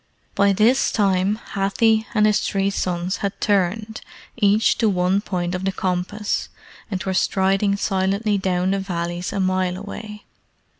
By this time Hathi and his three sons had turned, each to one point of the compass, and were striding silently down the valleys a mile away.